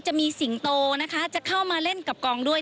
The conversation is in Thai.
จะมีสิงโตนะคะจะเข้ามาเล่นกับกองด้วย